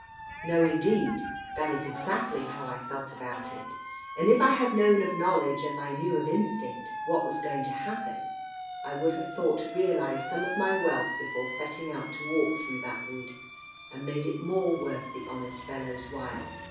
" No indeed, that is exactly how I felt about it, and if I had known of knowledge, as I knew of instinct, what was going to happen, I would have thought to realize some of my wealth before setting out to walk through that wood, and made it more worth the honest fellow's while.